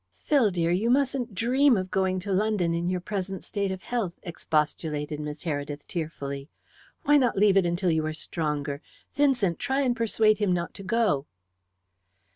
"Phil, dear, you mustn't dream of going to London in your present state of health," expostulated Miss Heredith tearfully. "Why not leave it until you are stronger? Vincent, try and persuade him not to go."